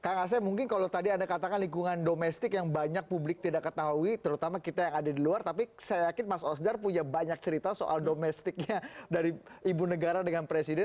kang asep mungkin kalau tadi anda katakan lingkungan domestik yang banyak publik tidak ketahui terutama kita yang ada di luar tapi saya yakin mas osdar punya banyak cerita soal domestiknya dari ibu negara dengan presiden